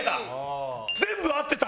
全部合ってた！